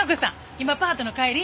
今パートの帰り？